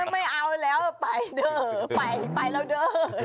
ไม่เอาแล้วไปเด้อไปไปแล้วเด้อ